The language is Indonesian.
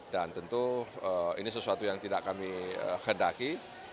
dan tentu ini sesuatu yang tidak kami hendaki